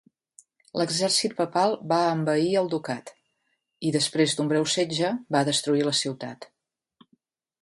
L'exèrcit papal va envair el ducat i, després d'un breu setge, va destruir la ciutat.